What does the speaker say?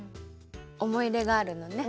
おもいいれがあるのね。